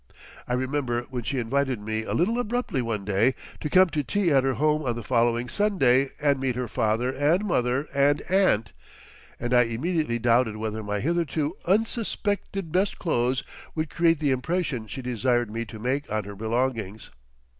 I remember when she invited me a little abruptly one day to come to tea at her home on the following Sunday and meet her father and mother and aunt, that I immediately doubted whether my hitherto unsuspected best clothes would create the impression she desired me to make on her belongings.